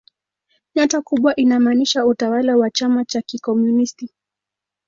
Nyota kubwa inamaanisha utawala wa chama cha kikomunisti.